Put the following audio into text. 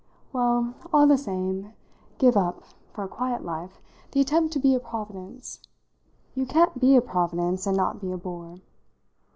Well, all the same, give up, for a quiet life, the attempt to be a providence. You can't be a providence and not be a bore.